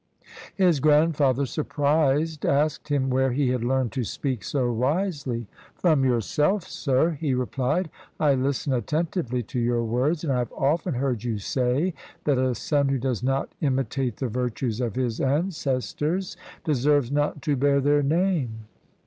His grandfather, sur prised, asked him where he had learned to speak so wisely. 'From yourself, sir,' he repHed; 'I listen atten tively to your words, and I have often heard you say that a son who does not imitate the virtues of his ances tors deserves not to bear their name.'"